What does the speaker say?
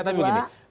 bu mira tapi begini